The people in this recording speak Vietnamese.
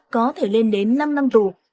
có thể lên đến năm năm tù